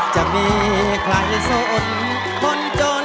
จะมีใครสนคนจน